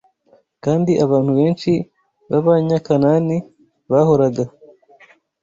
kandi abantu benshi b’Abanyakanani bahoraga